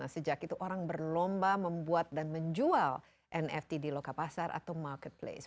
sejak itu orang berlomba membuat dan menjual nft di loka pasar atau marketplace